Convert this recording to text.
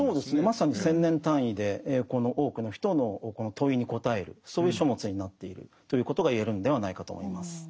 まさに１，０００年単位でこの多くの人の問いに答えるそういう書物になっているということが言えるんではないかと思います。